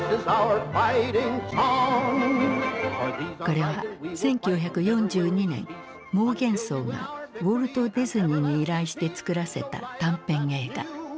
これは１９４２年モーゲンソウがウォルト・ディズニーに依頼して作らせた短編映画。